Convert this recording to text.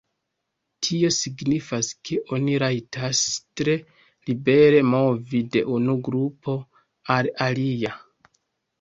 Tio signifas ke oni rajtas tre libere movi de unu grupo al alia.